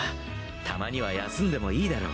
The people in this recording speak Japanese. たまには休んでもいいだろう？